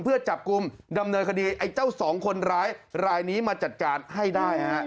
เพื่อจับกลุ่มดำเนินคดีไอ้เจ้าสองคนร้ายรายนี้มาจัดการให้ได้ฮะ